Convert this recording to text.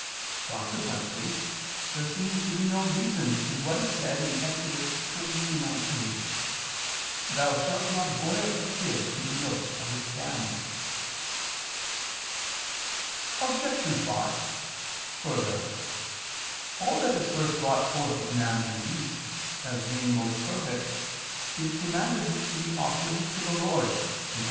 Consequently there seems to be no reason in what is said, Ex. 23:19: "Thou shalt not boil a kid in the milk of its dam." Obj. 5: Further, all that is first brought forth of man and beast, as being most perfect, is commanded to be offered to the Lord (Ex.